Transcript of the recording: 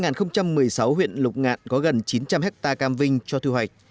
năm hai nghìn một mươi sáu huyện lục ngạn có gần chín trăm linh hectare cam vinh cho thu hoạch